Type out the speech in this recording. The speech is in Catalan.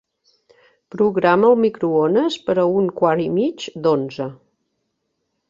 Programa el microones per a un quart i mig d'onze.